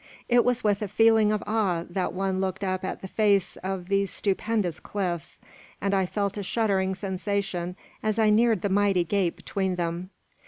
It was with a feeling of awe that one looked up the face of these stupendous cliffs, and I felt a shuddering sensation as I neared the mighty gate between them.